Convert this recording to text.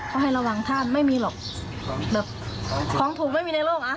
เขาให้ระวังท่านไม่มีหรอกแบบของถูกไม่มีในโลกอ่ะ